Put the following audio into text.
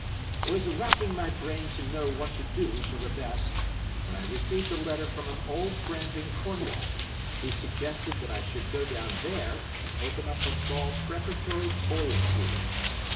I was racking my brain to know what to do for the best, when I received a letter from an old friend in Cornwall, who suggested that I should go down there and open up a small Preparatory Boys' School.